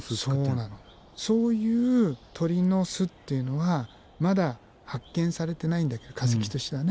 そういう鳥の巣っていうのはまだ発見されてないんだけど化石としてはね。